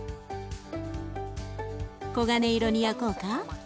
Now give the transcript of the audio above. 黄金色に焼こうか？